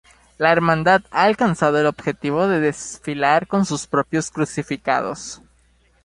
La hermandad ha alcanzado el objetivo de desfilar con sus propios crucificados.